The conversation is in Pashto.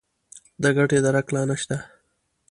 د ګټې درک لا نه شته.